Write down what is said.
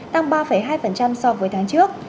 tăng ba hai so với tháng trước